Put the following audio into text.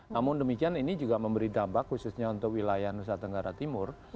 namun demikian ini juga memberi dampak khususnya untuk wilayah nusa tenggara timur